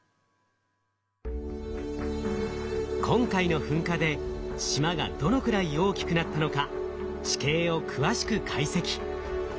今回の噴火で島がどのくらい大きくなったのか地形を詳しく解析。